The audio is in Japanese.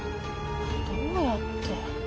どうやって。